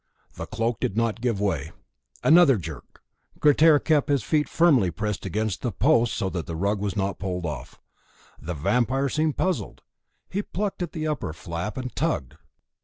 The cloak did not give way. Another jerk; Grettir kept his feet firmly pressed against the posts, so that the rug was not pulled off. The vampire seemed puzzled, he plucked at the upper flap and tugged.